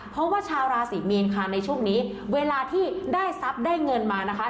เพราะว่าชาวราศีมีนค่ะในช่วงนี้เวลาที่ได้ทรัพย์ได้เงินมานะคะ